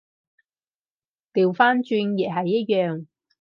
掉返轉亦係一樣